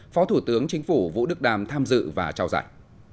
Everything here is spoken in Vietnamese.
phó thủ tướng chính phủ vũ đức đam tham dự và trao giải